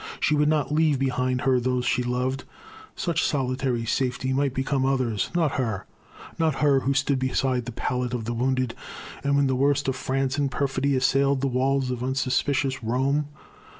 She would not leave behind her those she loved; Such solitary safety might become Others; not her; not her who stood beside The pallet of the wounded, when the worst Of France and Perfidy assailed the walls Of unsuspicious Rome.